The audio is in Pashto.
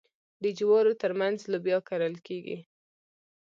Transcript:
د جوارو ترمنځ لوبیا کرل کیږي.